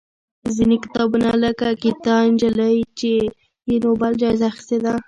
ځینې کتابونه لکه ګیتا نجلي یې نوبل جایزه اخېستې ده.